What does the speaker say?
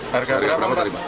harga berapa tadi mbak